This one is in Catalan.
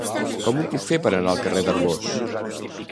Com ho puc fer per anar al carrer d'Arbós?